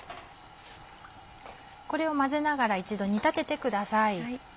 これを混ぜながら一度煮立ててください。